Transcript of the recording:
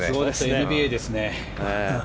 ＮＢＡですね。